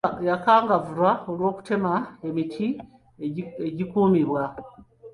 Yakangavvulwa olw'okutema emiti egikuumibwa.